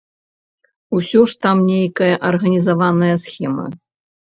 Усё ж там нейкая арганізаваная схема.